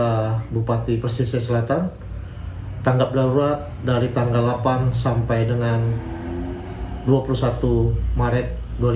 bapak bupati persisir selatan tanggap darurat dari tanggal delapan sampai dengan dua puluh satu maret dua ribu dua puluh